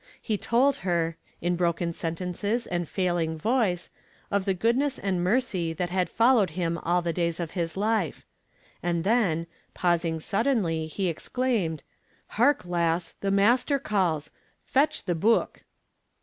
He told her, in broken sentences and failing voice, of the goodness and mercy that had followed him all the days of his life; and then, pausing suddenly, he exclaimed: 'Hark, lass, the Master calls! Fetch the Buik!'